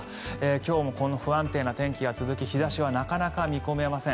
今日もこの不安定な天気が続き日差しはなかなか見込めません。